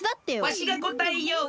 わしがこたえよう。